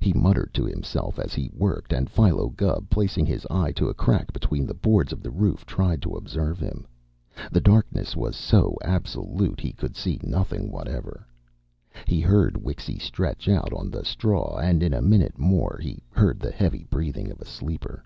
He muttered to himself as he worked, and Philo Gubb, placing his eye to a crack between the boards of the roof, tried to observe him. The darkness was so absolute he could see nothing whatever. He heard Wixy stretch out on the straw, and in a minute more he heard the heavy breathing of a sleeper.